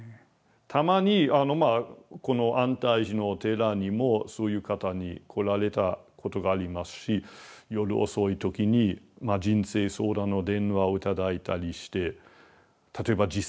たまにこの安泰寺のお寺にもそういう方来られたことがありますし夜遅い時に人生相談の電話を頂いたりして例えば自殺のことを考えてるとか。